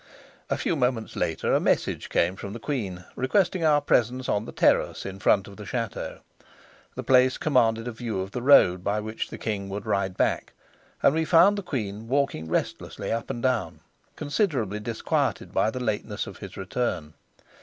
A few moments later, a message came from the queen, requesting our presence on the terrace in front of the chateau. The place commanded a view of the road by which the king would ride back, and we found the queen walking restlessly up and down, considerably disquieted by the lateness of his return.